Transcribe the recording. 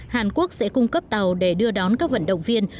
hàn quốc sẽ cung cấp tàu để đưa đón các vận động viên